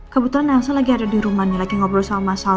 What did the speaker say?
kebetulan elsa lagi ada di rumahnya lagi ngobrol sama mas al